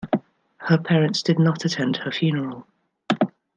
Her parents did not attend her funeral.